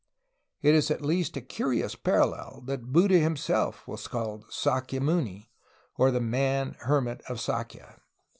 It is at least a curious parallel that Buddha himself was called "Sakya muni," or "the man (hermit) of Sakya.''